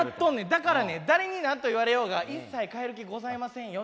だからね誰に何と言われようが一切変える気ございませんよ